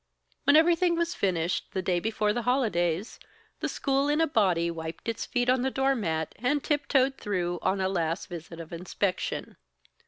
When everything was finished, the day before the holidays, the school in a body wiped its feet on the door mat and tiptoed through on a last visit of inspection.